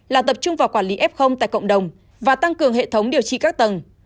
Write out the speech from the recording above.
là tập trung vào quản lý f tại cộng đồng và tăng cường hệ thống điều trị các tầng